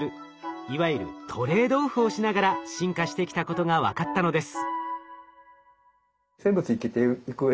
いわゆるトレードオフをしながら進化してきたことが分かったのです。